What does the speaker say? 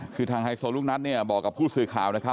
คือทางไฮโซลูกนัดบอกกับผู้สื่อข่าวนะคะ